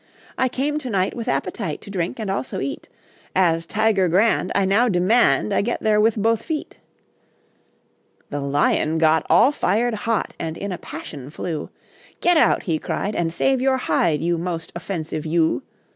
I came to night With appetite To drink and also eat; As a Tiger grand, I now demand, I get there with both feet." The Lion got All fired hot And in a passion flew. "Get out," he cried, "And save your hide, You most offensive You."